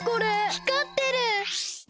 ひかってる！